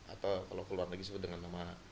atau kalau keluar lagi sebut dengan nama